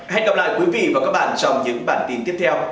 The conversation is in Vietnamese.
hẹn gặp lại quý vị và các bạn trong những bản tin tiếp theo